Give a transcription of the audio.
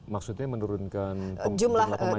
maksudnya menurunkan jumlah pemain